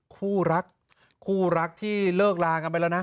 คู่รักคู่รักที่เลิกลากันไปแล้วนะ